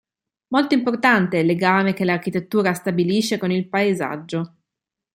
Molto importante è il legame che l'architettura stabilisce con il paesaggio.